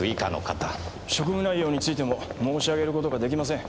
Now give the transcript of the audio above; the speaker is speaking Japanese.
職務内容についても申し上げる事ができません。